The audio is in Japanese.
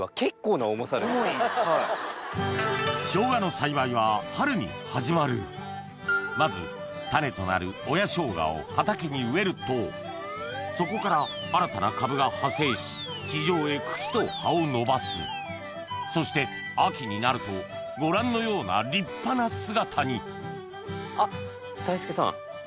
ショウガの栽培は春に始まるまず種となる親ショウガを畑に植えるとそこから新たな株が派生し地上へ茎と葉を伸ばすそして秋になるとご覧のような立派な姿にあっ大輔さん